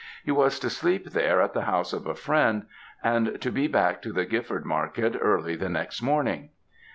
He was to sleep there at the house of a friend, and to be back to the Gifford market early the next morning.